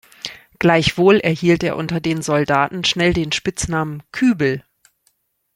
Gleichwohl erhielt er unter den Soldaten schnell den Spitznamen „Kübel“.